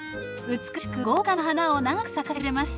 美しく豪華な花を長く咲かせてくれます。